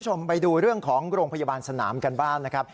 คุณผู้ชมไปดูเรื่องของโรงพยาบาลสนามกันบ้างนะครับ